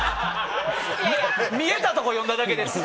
見えたとこ読んだだけです。